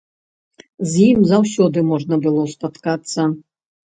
З ім заўсёды можна было спаткацца.